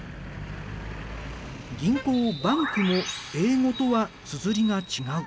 銀行バンクも英語とはつづりが違う。